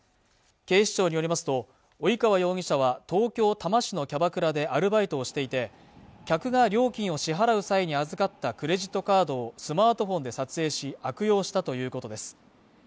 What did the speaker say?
警視庁によりますと及川容疑者は東京多摩市のキャバクラでアルバイトをしていて客が料金を支払う際に預かったクレジットカードをスマートフォンで撮影し悪用したということです